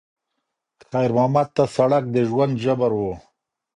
خیر محمد ته سړک د ژوند جبر و.